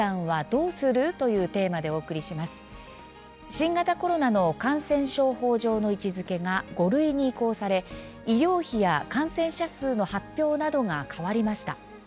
新型コロナの感染症法上の位置づけが５類に移行され医療費や感染者数の発表などが変わりました。